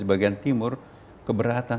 bagian timur keberatan